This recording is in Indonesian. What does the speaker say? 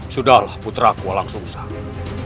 sudahlah putraku langsung saja